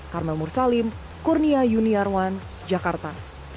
karmel mursalim kurnia yuniarwan jakarta